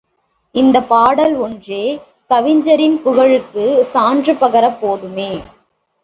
இந்தப் பாடல் ஒன்றே கவிஞரின் புகழுக்குச் சான்று பகரப் போதுமே!